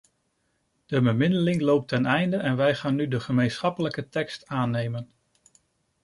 De bemiddeling loopt ten einde en wij gaan nu de gemeenschappelijke tekst aannemen.